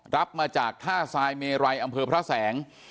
รับมาจากท่าทรายเมไรอำเภอพระแสง